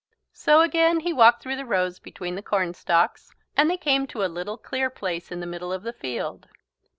So again he walked through the rows between the cornstalks and they came to a little clear place in the middle of the field.